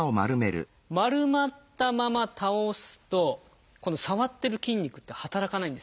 丸まったまま倒すとこの触ってる筋肉って働かないんですね。